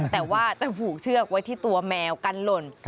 แต่ว่าจะผูกเชือกไว้ที่ตัวแมวกันหล่น